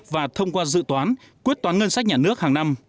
và thông qua dự toán quyết toán ngân sách nhà nước hàng năm